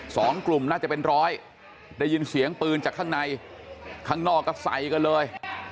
สองกลุ่มน่าจะเป็นร้อยได้ยินเสียงปืนจากข้างในข้างนอกก็ใส่กันเลย